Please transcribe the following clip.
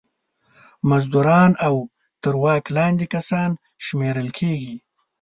مزدوران او تر واک لاندې کسان شمېرل کیږي.